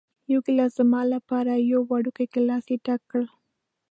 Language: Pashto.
یو ګېلاس زما لپاره، یو وړوکی ګېلاس یې ډک کړ.